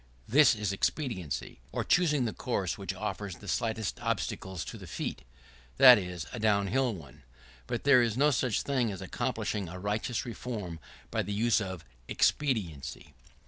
This is expediency, or choosing that course which offers the slightest obstacles to the feet, that is, a downhill one. But there is no such thing as accomplishing a righteous reform by the use of "expediency."